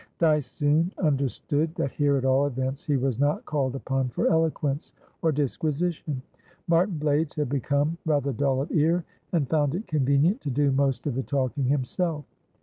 Dyce soon understood that here, at all events, he was not called upon for eloquence, or disquisition. Martin Blaydes had become rather dull of ear, and found it convenient to do most of the talking himself.